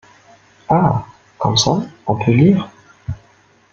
Ah ! comme ça, on peut lire !